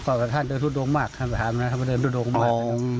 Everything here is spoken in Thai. ก็ค่อนข้างเดินทุกดงมากถ้าไปถามนะทำมาเดินทุกดงมาก